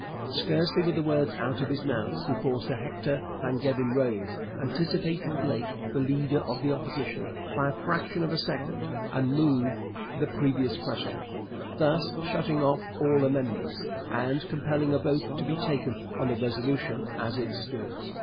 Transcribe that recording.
Scarcely were the words out of his mouth before Sir Hector Langevin rose, anticipating Blake, the leader of the Opposition, by a fraction of a second, and moved the 'previous question,' thus shutting off all amendments, and compelling a vote to be taken on the resolution as it stood.